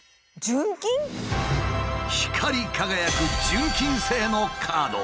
光り輝く純金製のカード。